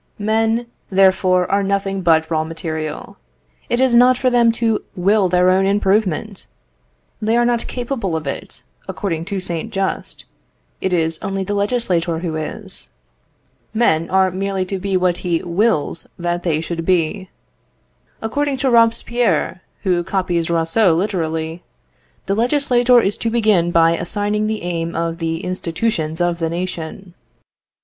Men, therefore, are nothing but raw material. It is not for them to will their own improvement. They are not capable of it; according to Saint Just, it is only the legislator who is. Men are merely to be what he wills that they should be. According to Robespierre, who copies Rousseau literally, the legislator is to begin by assigning the aim of the institutions of the nation.